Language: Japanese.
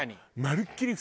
まるっきり